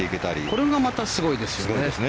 これがまたすごいですよね。